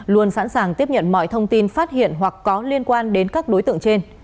luôn sẵn sàng tiếp nhận mọi thông tin phát hiện hoặc có liên quan đến các đối tượng trên